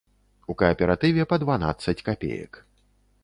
У кааператыве па дванаццаць капеек.